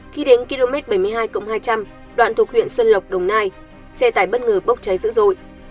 khi đến km bảy mươi hai hai trăm linh đoạn thuộc huyện xuân lộc đồng nai xe tải bất ngờ bốc cháy dữ dội